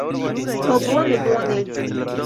Ho, bone bone.